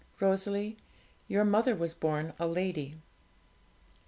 Rosalie, your mother was born a lady.